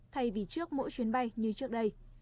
thay vì trước mỗi chuyến bay như trước đây